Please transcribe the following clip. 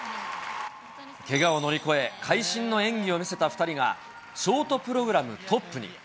けがを乗り越え、会心の演技を見せた２人が、ショートプログラムトップに。